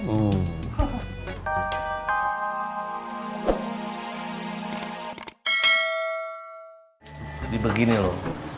jadi begini loh